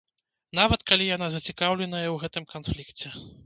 Нават калі яна зацікаўленая ў гэтым канфлікце.